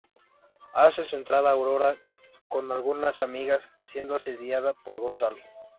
Hace su entrada Aurora con algunas amigas, siendo asediada por Gonzalo.